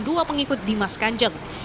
dua pengikut dimas kanjeng